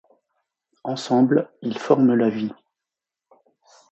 Ensemble, ils forment la vie.